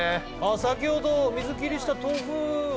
先ほど水切りした豆腐を。